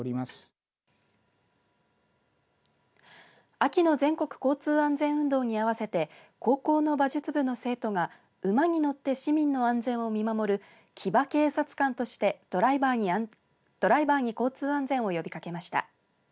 秋の全国交通安全運動に合わせて高校の馬術部の生徒が馬に乗って市民の安全を見守る騎馬警察官としてドライバーに交通安全を呼びかけました。